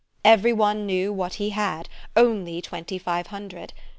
Every one knew what he had only twenty five hundred.